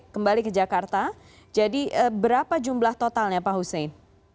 kembali ke jakarta jadi berapa jumlah totalnya pak hussein